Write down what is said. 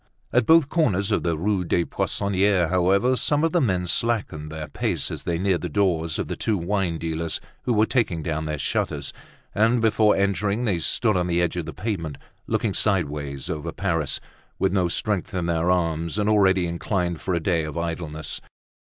At both corners of the Rue des Poissonniers however, some of the men slackened their pace as they neared the doors of the two wine dealers who were taking down their shutters; and, before entering, they stood on the edge of the pavement, looking sideways over Paris, with no strength in their arms and already inclined for a day of idleness.